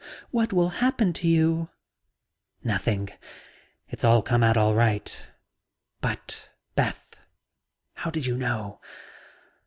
"What will happen to you?" "Nothing. It'll all come out all right. But, Beth, how did you know?